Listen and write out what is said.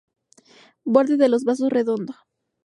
Borde de los vasos redondo.